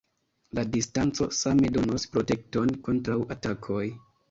La distanco same donos protekton kontraŭ atakoj.